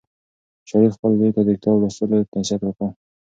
شریف خپل زوی ته د کتاب لوستلو نصیحت وکړ.